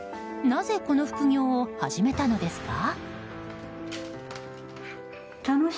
なぜ、この副業を始めたのですか？